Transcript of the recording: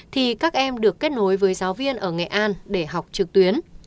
thì các em được kết nối với giáo viên ở nghệ an để học trực tuyến